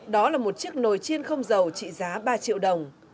đó là một chiếc nồi chiên không dầu trị giá ba triệu đồng